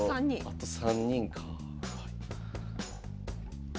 あと３人か。